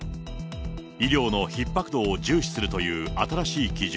医療のひっ迫度を重視するという新しい基準。